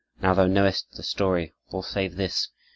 Now thou knowest the story, all save this.